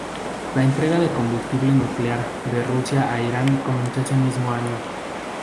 La entrega de combustible nuclear de Rusia a Irán comenzó ese mismo año.